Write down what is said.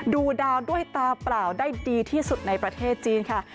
ดูดาวด้วยตาเปล่าได้ดีที่สุดในประเทศจีนค่ะ